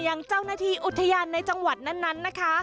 อย่างเจ้าหน้าที่อุทยานในจังหวัดนั้นนะคะ